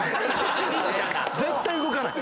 絶対動かない。